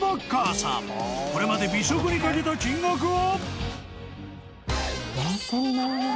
［これまで美食にかけた金額は？］